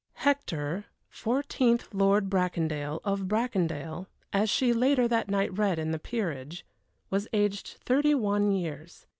Hector, fourteenth Lord Bracondale of Bracondale (as she later that night read in the Peerage) was aged thirty one years.